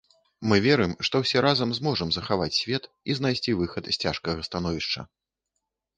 Мы верым, што ўсе разам зможам захаваць свет і знайсці выхад з цяжкага становішча!